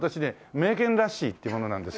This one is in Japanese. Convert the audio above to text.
名犬ラッシーっていう者なんですけども。